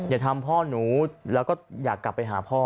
อย่าทำพ่อหนูแล้วก็อยากกลับไปหาพ่อ